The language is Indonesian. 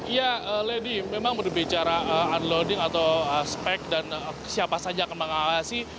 ya lady memang berbicara unloading atau aspek dan siapa saja yang mengawasi